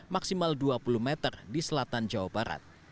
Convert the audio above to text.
maksimal dua puluh meter di selatan jawa barat